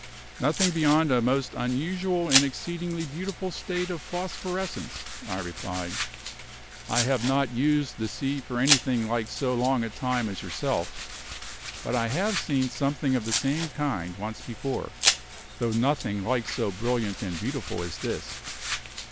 "Nothing beyond a most unusual and exceedingly beautiful state of phosphorescence," I replied. "I have not used the sea for anything like so long a time as yourself, but I have seen something of the same kind once before, though nothing like so brilliant and beautiful as this.